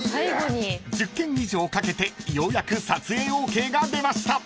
［１０軒以上かけてようやく撮影ＯＫが出ました］